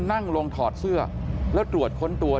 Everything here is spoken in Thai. นั่งลงถอดเสื้อแล้วตรวจค้นตัว